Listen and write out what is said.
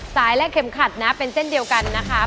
สายและเข็มขัดนะเป็นเส้นเดียวกันนะครับ